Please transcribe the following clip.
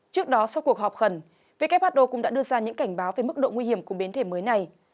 trước đó sau cuộc họp khẩn who cũng đã đưa ra những cảnh báo về mức độ nguy hiểm của biến thể mới này